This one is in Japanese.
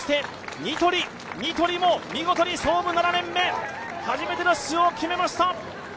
ニトリも見事に創部７年目、初めての出場を決めました。